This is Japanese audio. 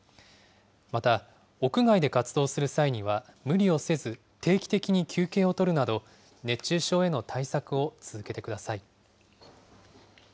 また、屋外で活動する際には無理をせず、定期的に休憩をとるなど、熱中症への対策を続けてください。